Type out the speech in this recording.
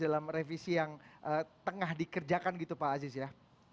dalam revisi yang tengah dikerjakan gitu pak aziz ya